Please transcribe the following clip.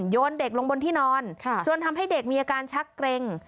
โยนเด็กลงบนที่นอนจนทำให้เด็กมีอาการชักเกร็ง